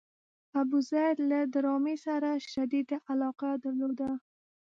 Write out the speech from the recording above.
ابوزید له ادامې سره شدیده علاقه درلوده.